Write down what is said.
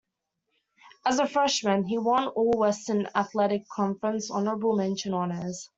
As a freshman, he won All-Western Athletic Conference honorable mention honors.